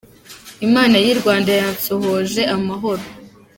Imana y’i Rwanda yansohoje amahoro